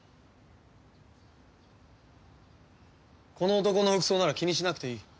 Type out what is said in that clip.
この男の服装なら気にしなくていい。